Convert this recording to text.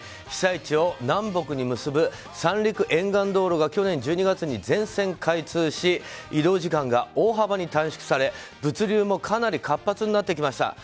被災地を南北に結ぶ三陸沿岸道路が去年１２月に全線開通し移動時間が大幅に短縮され物流もかなり活発になってきました。